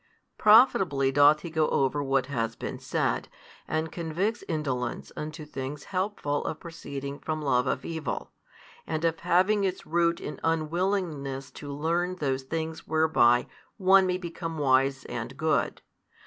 Profitably doth He go over what has been said, and convicts indolence unto things helpful of proceeding from love of evil, and of having its root in unwillingness to learn those things whereby one may become wise and good.